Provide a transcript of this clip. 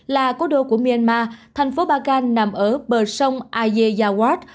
là cố đô của myanmar thành phố bagan nằm ở bờ sông azejawat